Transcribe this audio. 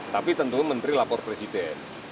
tapi tentu menteri lapor presiden